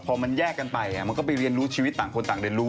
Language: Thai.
พอมันแยกกันไปมันก็ไปเรียนรู้ชีวิตต่างคนต่างเรียนรู้